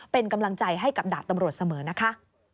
เป็นกำลังใจให้กับดาบตำรวจเสมอนะคะ